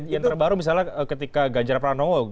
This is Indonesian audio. yang terbaru misalnya ketika ganjar pranowo